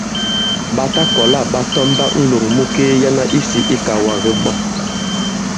Ɓa ta kɔ̀la ɓa tɔmba ǹlòŋ mu kelyana isī ikàwàkdi ɓɔ.